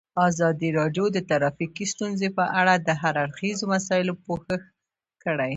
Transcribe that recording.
ازادي راډیو د ټرافیکي ستونزې په اړه د هر اړخیزو مسایلو پوښښ کړی.